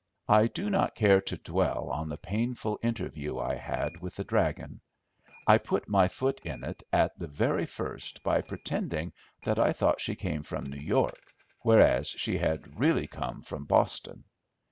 I do not care to dwell on the painful interview I had with the "dragon." I put my foot in it at the very first by pretending that I thought she came from New York, whereas she had really come from Boston.